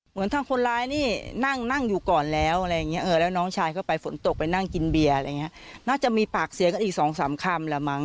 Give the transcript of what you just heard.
เพราะรู้ว่าน้องชายจะต้องไปนั่งกินทุกวันตรงนั้น